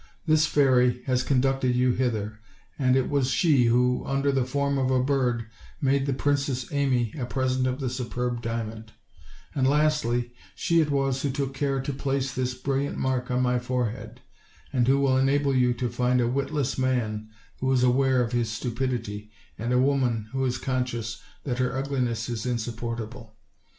This fairy has conducted you hither, and it was she who, under the form of a bird, made the Princess Amy a present of the superb diamond; and lastly, she it was who took care to place this brilliant mark on my forehead, and who will enable you to find a witless man who is aware of his stu pidity, and a woman who is conscious that her ugliness is insupportable.